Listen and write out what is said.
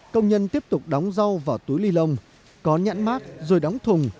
công nhân tiếp tục đóng rau vào túi ly lông có nhãn mát rồi đóng thùng